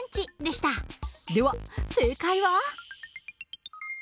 では正解は？